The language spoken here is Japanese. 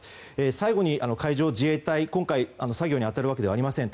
最後に海上自衛隊、今回、作業に当たるわけではありません。